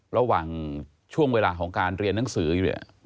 ระหว่างช่วงเวลาของการเรียนหนังสืออยู่เนี่ย